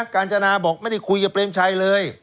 กาญจนาบอกไม่ได้คุยกับเปรมชัยเลย